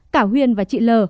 cả huyên và chị l